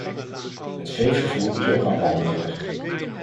Het veevervoer is ook aan banden gelegd.